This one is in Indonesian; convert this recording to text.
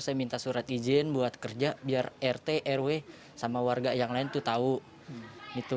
saya minta surat izin buat kerja biar rt rw sama warga yang lain tuh tahu